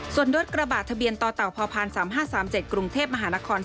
ส่วนรถกระบาดทะเบียนต่อเต่าพ๓๕๓๗กรุงเทพมหานคร